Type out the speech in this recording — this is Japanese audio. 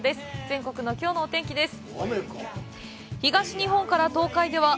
全国のきょうのお天気です。